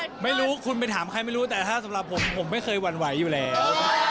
ไม่รู้คุณไปถามใครไม่รู้แต่ถ้าสำหรับผมผมไม่เคยหวั่นไหวอยู่แล้ว